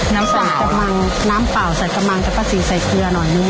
น้ำเปล่าใส่กะมังจะประสีใส่เขือหน่อยนึง